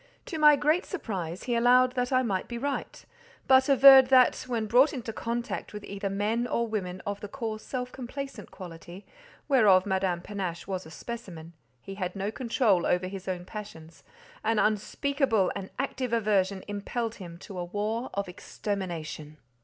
To my great surprise he allowed that I might be right, but averred that when brought into contact with either men or women of the coarse, self complacent quality, whereof Madame Panache was a specimen, he had no control over his own passions; an unspeakable and active aversion impelled him to a war of extermination.